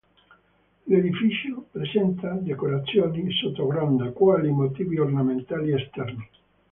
L'edificio presenta decorazioni sottogronda, quali motivi ornamentali esterni.